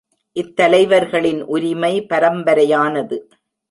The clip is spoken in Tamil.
இத் தலைவர்களின் உரிமை பரம்பரையானது.